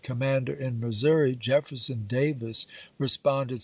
commander in Missouri, Jefferson Davis responded pp.